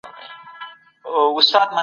ميرويس خان نيکه دولتي خزانه څنګه ساتله؟